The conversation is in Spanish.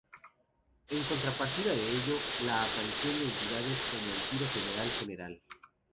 En contrapartida de ello, la aparición de entidades como el Tiro Federal Gral.